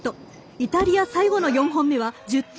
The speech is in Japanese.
イタリア最後の４本目は１０点。